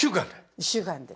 １週間で。